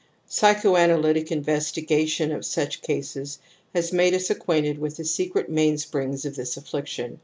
Psychoanalytic investigation of such cases has made us acquainted with the secret mainsprings of this affliction.